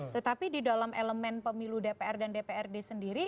tetapi di dalam elemen pemilu dpr dan dprd sendiri